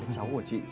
cháu của chị